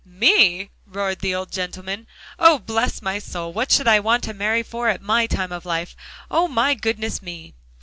"Me!" roared the old gentleman. "Oh! bless my soul, what should I want to marry for at my time of life? Oh! my goodness me."